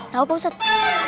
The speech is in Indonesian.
nah pak ustadz